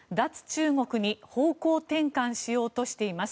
中国に方向転換しようとしています。